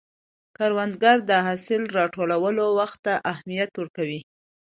کروندګر د حاصل راټولولو وخت ته اهمیت ورکوي